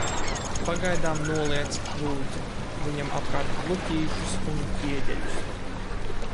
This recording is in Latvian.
Pagaidām noliec, lūdzu, viņam apkārt bluķīšus un ķieģeļus!